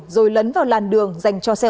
rồi lấn vào làn đường dành cho xe ô